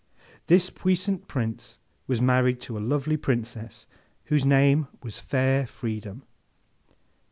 This Puissant Prince was married to a lovely Princess whose name was Fair Freedom.